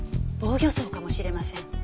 防御創かもしれません。